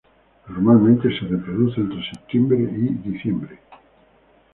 Normalmente se reproduce entre septiembre y diciembre.